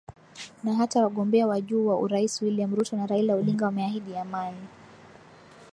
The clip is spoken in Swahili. Na hata wagombea wa juu wa urais William Ruto na Raila Odinga wameahidi amani